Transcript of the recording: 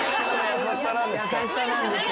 優しさなんですよ。